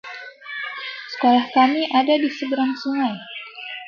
Sekolah kami ada di seberang sungai.